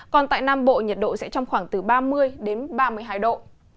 còn tại nam bộ nhiệt độ sẽ trong khoảng từ ba mươi đến ba mươi hai độ